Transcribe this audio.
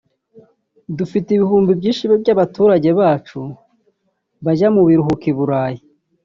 Dufite ibihumbi byinshi by’abaturage bacu bajya mu biruhuko i Burayi